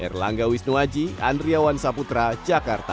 erlangga wisnuwaji andriawan saputra jakarta